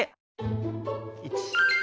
１。